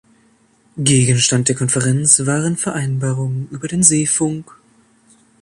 Gegenstand der Konferenz waren Vereinbarungen über den Seefunk.